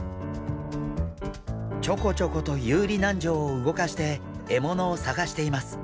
ちょこちょこと遊離軟条を動かして獲物を探しています。